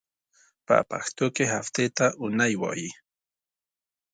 په پښتو کې هفتې ته اونۍ وایی.